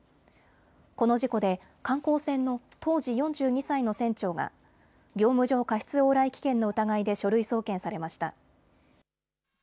この事故で観光船の当時４２歳の船長が業務上過失往来危険の疑いで書類送検されました。